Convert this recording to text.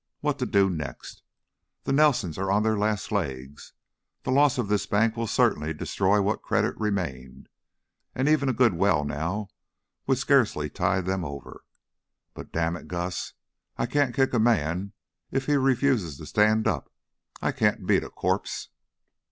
What to do next? The Nelsons are on their last legs. The loss of this bank will certainly destroy what credit remained, and even a good well now would scarcely tide them over. But damn it, Gus, I can't kick a man if he refuses to stand up! I can't beat a corpse!"